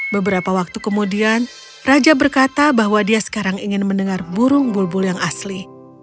beberapa waktu kemudian raja berkata bahwa dia sekarang ingin mendengar burung bulbul yang asli